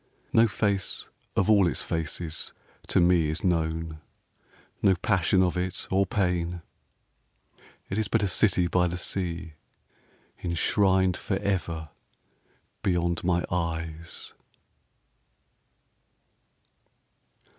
No face of all its faces to me Is known no passion of it or pain. It is but a city by the sea, Enshrined forever beyond my eyes!